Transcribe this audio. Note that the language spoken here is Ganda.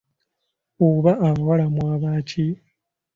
Oba abawala mwaba ki!